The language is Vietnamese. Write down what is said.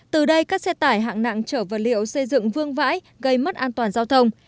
từ đây các xe tải hạng nặng chở vật liệu xây dựng vương vãi gây mất an toàn giao thông